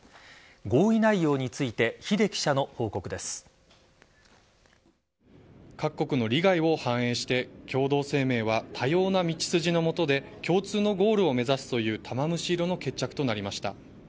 合意内容について各国の利害を反映して共同声明は多様な道筋の下で共通のゴールを目指すという玉虫色の決着となりました。